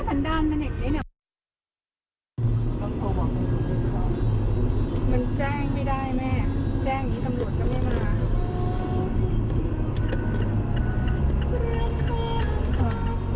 แจ้งอย่างงี้สำรวจก็ไม่มา